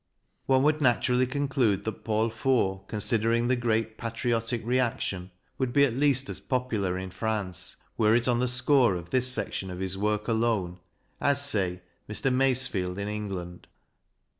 One would naturally conclude that Paul Fort, con sidering the great patriotic reaction, would be at least as popular in France, were it on the score of this section of his work alone, as, say, Mr. Masefield in England.